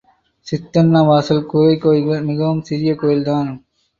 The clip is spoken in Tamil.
சித்தன்ன வாசல் குகைக் கோயில் மிகவும் சிறிய கோயில்தான்.